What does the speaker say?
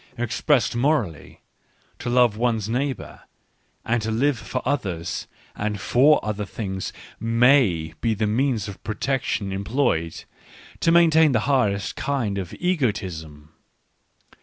Expressed morally, to love one's neighbour and to live for others and for other things may be the means of protection employed to maintain the hardest kind of egoism.